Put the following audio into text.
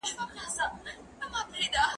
دا قلمان له هغه ښايسته دي